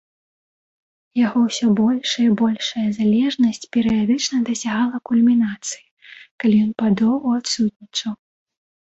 Яго ўсё большая і большая залежнасць перыядычна дасягала кульмінацыі, калі ён падоўгу адсутнічаў.